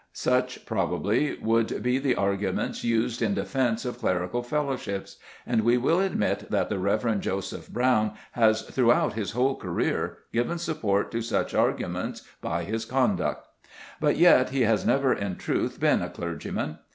Such, probably, would be the arguments used in defence of clerical fellowships; and we will admit that the Reverend Joseph Brown has throughout his whole career given support to such arguments by his conduct. But yet he has never in truth been a clergyman.